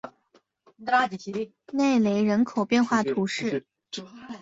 内雷人口变化图示